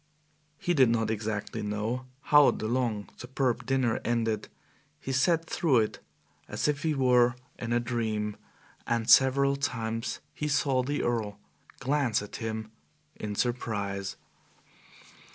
He did not exactly know how the long, superb dinner ended. He sat through it as if he were in a dream, and several times he saw the Earl glance at him in surprise.